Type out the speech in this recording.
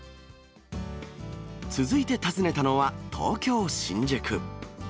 続いて訪ねたのは、東京・新宿。